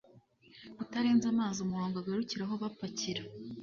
kutarenza amazi umurongo agarukiraho bapakira;